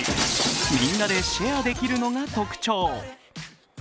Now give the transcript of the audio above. みんなでシェアできるのが特徴。